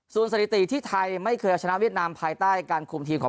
ส่วนสถิติที่ไทยไม่เคยเอาชนะเวียดนามภายใต้การคุมทีมของ